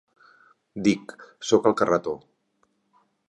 Dic, sóc al carretó.